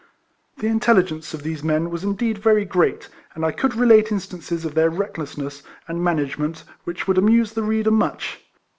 The intelligence of these men was indeed very great, and I could relate instances of their recldessness and management which would amuse the reader much.